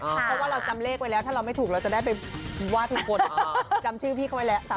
เพราะว่าเราจำเลขไว้แล้วถ้าเราไม่ถูกเราจะได้ไปว่าทุกคนจำชื่อพี่เขาไว้แล้ว